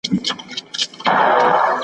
چی دي بند نه سي په ستوني یا په خوله کی .